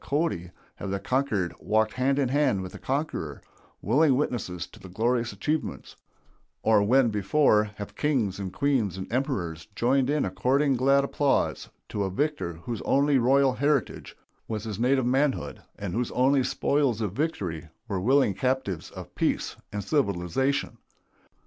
Cody, have the conquered walked hand in hand with the conqueror, willing witnesses to his glorious achievements; or when, before, have kings and queens and emperors joined in according glad applause to a victor whose only royal heritage was his native manhood, and whose only spoils of victory were willing captives to peace and civilization.